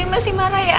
ini masih marah ya